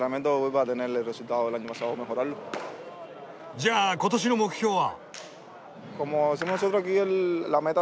じゃあ今年の目標は？